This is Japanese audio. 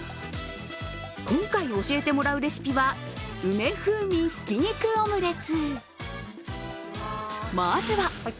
今回教えてもらうレシピは梅風味ひき肉オムレツ。